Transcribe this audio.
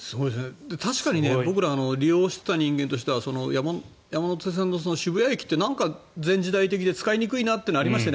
確かに僕ら利用していた人間としては山手線の渋谷駅ってなんか前時代的で使いにくいなというのはありましたよね。